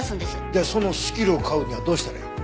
じゃあそのスキルを買うにはどうしたらいいの？